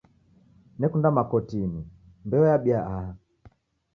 Nekunda makoti ini mbeo yabia aha.